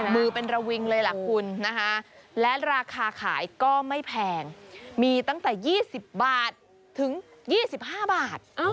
มือเป็นระวิงเลยล่ะคุณนะคะและราคาขายก็ไม่แพงมีตั้งแต่๒๐บาทถึง๒๕บาท